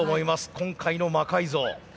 今回の魔改造。